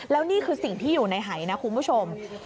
แล้วนี่คือสิ่งที่อยู่ในหายนะคุณผู้ชม